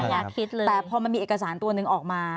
แต่พอมันมีเอกสารตัวนึงออกมา